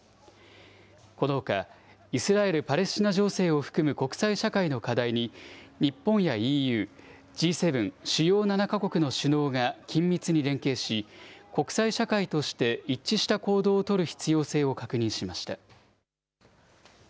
このほか、イスラエル・パレスチナ情勢を含む国際社会の課題に、日本やＥＵ、Ｇ７・主要７か国の首脳が緊密に連携し、国際社会として一致した行動を取る必要性を確認しました。